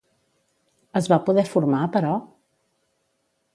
Es va poder formar, però?